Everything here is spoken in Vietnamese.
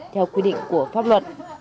theo quy định của pháp luật